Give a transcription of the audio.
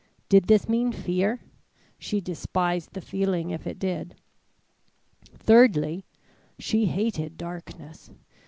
Did this mean fear? She despised the feeling if it did. Thirdly: She hated darkness.